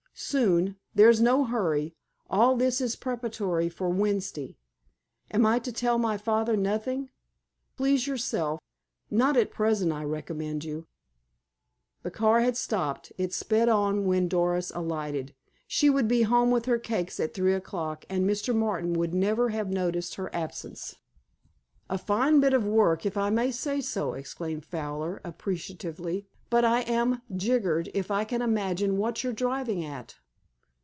"Soon. There's no hurry. All this is preparatory for Wednesday." "Am I to tell my father nothing?" "Please yourself. Not at present. I recommend you." The car had stopped. It sped on when Doris alighted. She would be home with her cakes at three o'clock, and Mr. Martin would never have noticed her absence. "A fine bit of work, if I may say so," exclaimed Fowler appreciatively. "But I am jiggered if I can imagine what you're driving at."